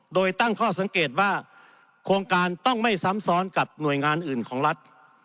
โดยตั้งข้อสังเกตว่าโครงการต้องไม่ซ้ำซ้อนกับหน่วยงานอื่นของรัฐ